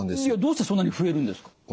いやどうしてそんなに増えるんですか？